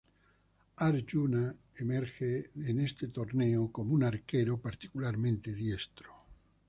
Áryuna emerge en este torneo como un arquero particularmente diestro.